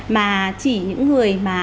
mà chỉ những người mà